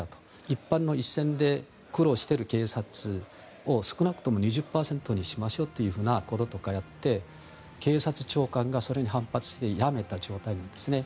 一般の一線で苦労している警察を少なくとも２０％にしましょうということとかをやって警察長官がそれに反発して辞めた状態なんですね。